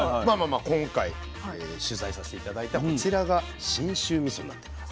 今回取材させて頂いたこちらが信州みそになってます。